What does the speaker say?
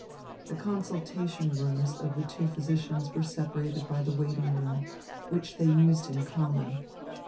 The consultation rooms of the two physicians were separated by the waiting room, which they used in common.